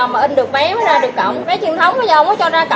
mà rớt như vầy thì không bán được vé nào hết